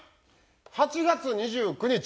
８月２９日。